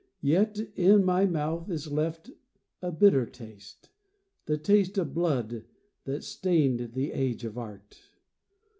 Yet in my mouth is left a bitter taste, The taste of blood that stained that age of art.